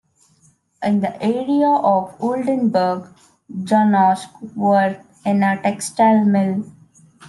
In the area of Oldenburg, Janosch worked in a textile mill.